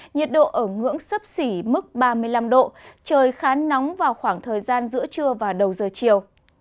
nhiệt độ ở ngưỡng sấp xỉ mức ba mươi năm độ trời khá nóng vào khoảng thời gian giữa trưa và đầu giờ chiều